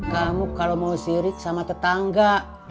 kamu kalau mau sirik sama tetangga